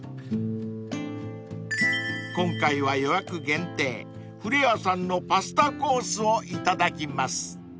［今回は予約限定ｆｉｌｅｊａさんのパスタコースをいただきます］